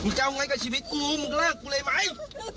จะเอาไงกับชีวิตกูมึงเลิกกูเลยไหม